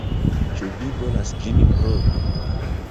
Ĉu vi volas ĝin provi?